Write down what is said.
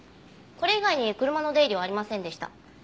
これ以外に車の出入りはありませんでした。